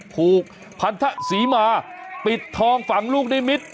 ผูกพันธศรีมาปิดทองฝังลูกนิมิตร